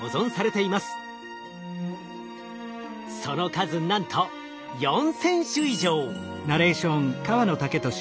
その数なんと４，０００種以上。